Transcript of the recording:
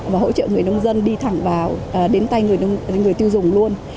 và hỗ trợ người nông dân đi thẳng vào đến tay người tiêu dùng luôn